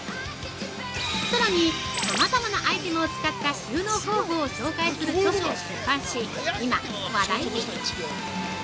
さらに、さまざまなアイテムを使った収納方法を紹介する著書を出版し、今話題に！